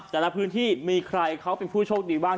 แต่ละพื้นที่มีใครเขาเป็นผู้โชคดีบ้าง